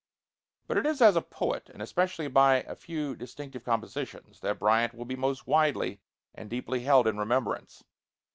But it is as a poet, and especially by a few distinctive compositions, that Bryant will be most widely and deeply held in remembrance.